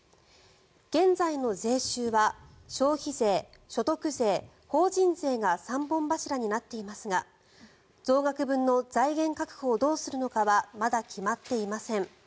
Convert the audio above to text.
現在の税収は消費税、所得税、法人税が３本柱になっていますが増額分の財源確保をどうするのかはまだ決まっていません。